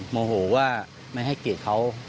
โมโหว่าไม่ให้เกียรติเขา